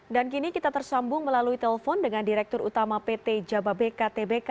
dan kini kita tersambung melalui telepon dengan direktur utama pt jababeka tbk